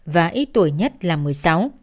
và ít hơn là một mươi chín tuổi